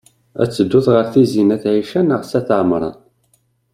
Ad tedduḍ ɣer Tizi n at Ɛica neɣ s at Ɛemṛan?